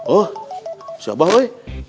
oh siapa ya